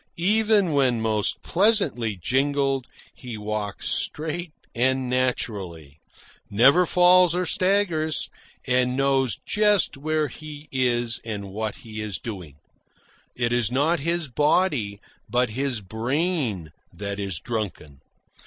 Even when most pleasantly jingled, he walks straight and naturally, never staggers nor falls, and knows just where he is and what he is doing. It is not his body but his brain that is drunken.